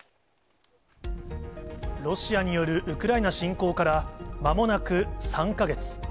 ロシアによるウクライナ侵攻から、まもなく３か月。